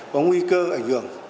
có nguy cơ ảnh hưởng